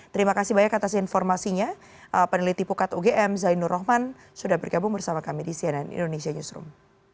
terima kasih banyak atas informasinya peneliti pukat ugm zainur rahman sudah bergabung bersama kami di cnn indonesia newsroom